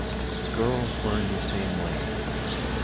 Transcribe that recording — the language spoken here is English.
Girls learn the same way.